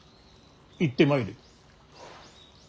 行ってまいれ。